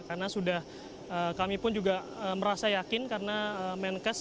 karena sudah kami pun juga merasa yakin karena menkes